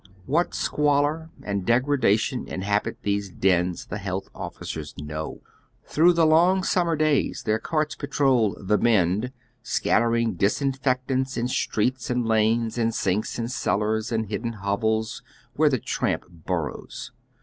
What Kqnalor and degradation inhabit these dens the health officers know. Through the long summer days their carts patrol "the Bend," scattering disinfectants in streets and lanes, i]i sinks and cellai's, and hidden liovels wliere the tramp bur rows.